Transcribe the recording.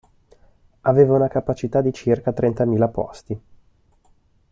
Aveva una capacità di circa trentamila posti.